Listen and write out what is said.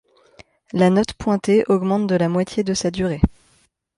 La note pointée augmente de la moitié de sa durée.